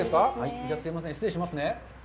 じゃあ、すいません、失礼しますね。